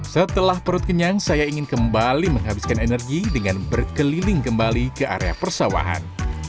setelah perut kenyang saya ingin kembali menghabiskan energi dengan berkeliling kembali ke area persawahan